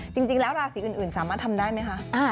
จริงแล้วราศีอื่นสามารถทำได้ไหมคะ